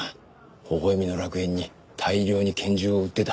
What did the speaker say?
微笑みの楽園に大量に拳銃を売ってた。